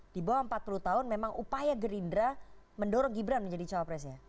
di bawah empat puluh tahun memang upaya gerindra mendorong gibran menjadi cawapresnya